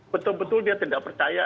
betul betul dia tidak percaya